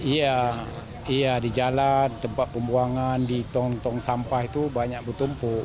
iya di jalan tempat pembuangan di tong tong sampah itu banyak bertumpuk